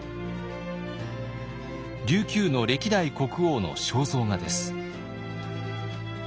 琉球の歴代国王の肖像画です。